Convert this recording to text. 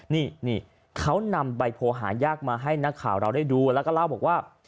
นี่เขานำใบโพหายากมาให้นักข่าวเราได้ดูแล้วก็เล่าบอกว่า